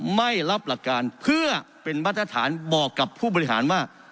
ไม่รับหลักการเพื่อเป็นมาตรฐานบอกกับผู้บริหารว่า